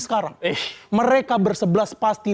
sekarang mereka bersebelas pasti